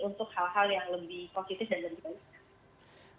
untuk hal hal yang lebih positif dan lebih baik